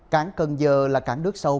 cảng cần giờ là cảng nước sâu